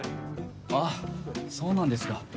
ああ、そうなんですか。